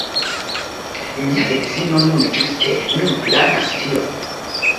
Mia edzino nun, ĝuste nun, planas tion.